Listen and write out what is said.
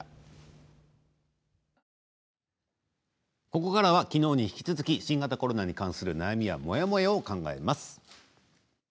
ここからはきのうに引き続き新型コロナに関する悩みやモヤモヤを考えます。